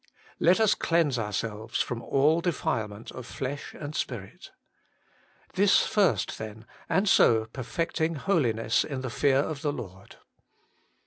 ' Let us cleanse ourselves from all defilement of flesh and spirit '— this first, then, and so ' perfecting holiness in the fear of the Lord.'